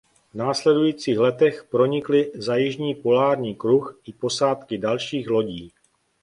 V následujících letech pronikly za jižní polární kruh i posádky dalších lodí.